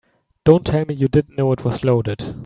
Don't tell me you didn't know it was loaded.